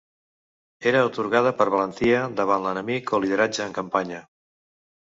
Era atorgada per valentia davant l'enemic o lideratge en campanya.